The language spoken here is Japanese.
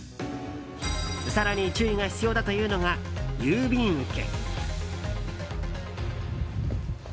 更に、注意が必要だというのが郵便受け。